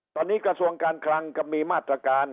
ตอนนี้กระทรวงการคลังก็มีมาตรการ